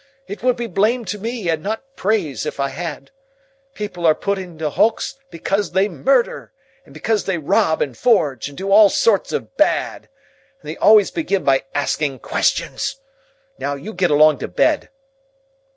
It would be blame to me and not praise, if I had. People are put in the Hulks because they murder, and because they rob, and forge, and do all sorts of bad; and they always begin by asking questions. Now, you get along to bed!"